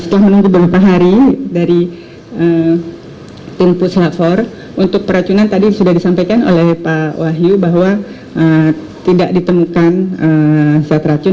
setelah menunggu beberapa hari dari tim puslapor untuk peracunan tadi sudah disampaikan oleh pak wahyu bahwa tidak ditemukan zat racun